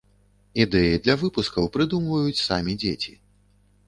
Ідэі для выпускаў прыдумваюць самі дзеці.